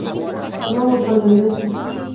তোমরা মোট কতজন রয়েছো?